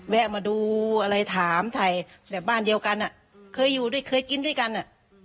แวะมาดูอะไรถามถ่ายแบบบ้านเดียวกันอ่ะเคยอยู่ด้วยเคยกินด้วยกันอ่ะ